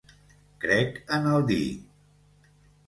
Crec en el di